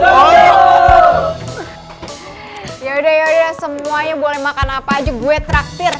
yaudah yaudah semuanya boleh makan apa aja gue traktir